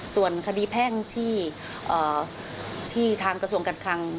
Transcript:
ส่วนคดีแพ่งที่ทางกระทรวงการคลัง